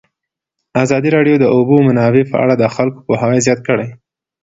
ازادي راډیو د د اوبو منابع په اړه د خلکو پوهاوی زیات کړی.